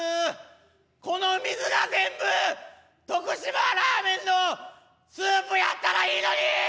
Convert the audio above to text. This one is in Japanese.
この水が全部徳島ラーメンのスープやったらいいのに！